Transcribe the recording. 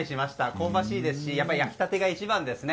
香ばしいですし焼きたてが一番ですね。